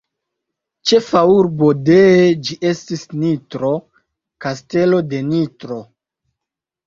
Ĉefa urbo dee ĝi estis Nitro, Kastelo de Nitro.